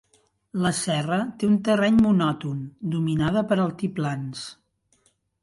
La serra té un terreny monòton, dominada per altiplans.